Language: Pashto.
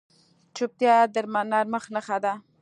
چوپتیا، د نرمښت نښه ده.